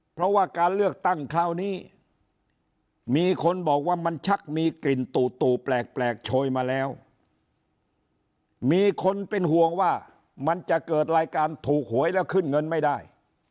เพราะว่าการเลือกตั้งคราวนี้มีคนบอกว่ามันชักมีกลิ่นตู่แปลกโชยมาแล้วมีคนเป็นห่วงว่ามันจะเกิดรายการถูกหวยแล้วขึ้นเงินไม่ได้